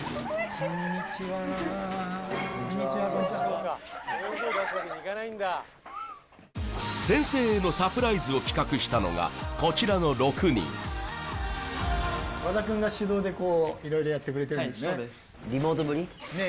こんにちはこんにちは先生へのサプライズを企画したのがこちらの６人和田くんが主導でこう色々やってくれてんですねねえ